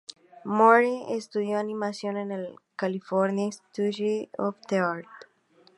Moore estudió animación en el California Institute of the Arts.